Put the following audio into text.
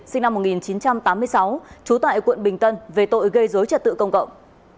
sinh năm một nghìn chín trăm tám mươi sáu trú tại quận bình tân về tội gây dối trật tự công cộng